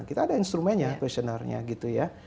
kita ada instrumennya questionnaire nya gitu ya